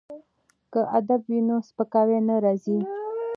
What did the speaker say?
که ادب وي نو سپکاوی نه راځي.